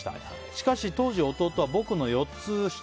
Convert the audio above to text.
しかし当時、弟は僕の４つ下。